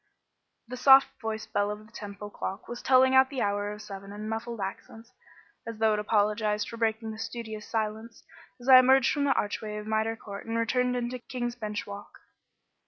The soft voiced bell of the Temple clock was telling out the hour of seven in muffled accents (as though it apologised for breaking the studious silence) as I emerged from the archway of Mitre Court and turned into King's Bench Walk.